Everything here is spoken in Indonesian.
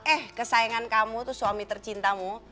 eh kesayangan kamu itu suami tercintamu